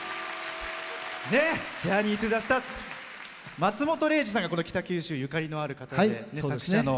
松本零士さんが北九州にゆかりのある方で作者の。